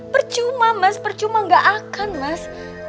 percuma mas percuma gak akan mas